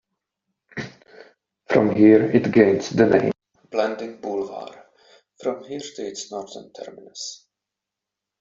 From here it gains the name Blanding Boulevard from here to its northern terminus.